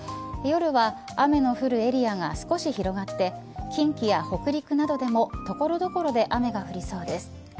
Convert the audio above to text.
夜は雨の降るエリアが少し広がって近畿や北陸などでも所々で雨が降りそうです。